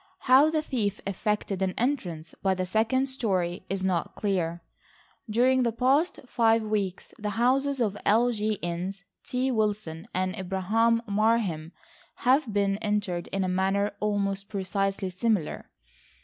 How the thief effected an entrance by the second story is not clear. During the past five weeks the houses of L. G. Innes, T. Wilson and Abraham Marheim have been entered in a manner almost precisely similar.